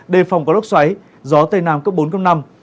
đề phòng có lốc xoáy gió tây nam cấp bốn cấp năm